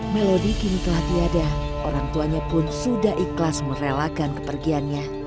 melody kini telah tiada orangtuanya pun sudah ikhlas merelakan kepergiannya